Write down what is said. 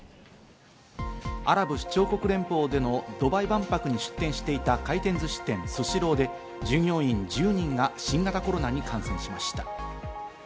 アラブ首長国連邦でのドバイ万博に出展していた回転寿司店・スシローで従業員１０人が新型コロナに感染しました。